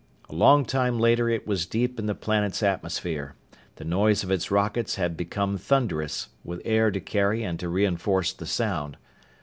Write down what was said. A long time later it was deep in the planet's atmosphere. The noise of its rockets had become thunderous, with air to carry and to reinforce the sound.